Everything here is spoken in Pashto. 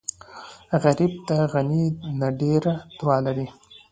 غریب د غني نه ډېره دعا لري